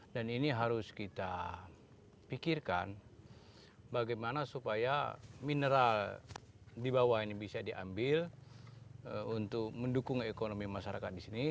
dan ini harus kita pikirkan bagaimana supaya mineral di bawah ini bisa diambil untuk mendukung ekonomi masyarakat di sini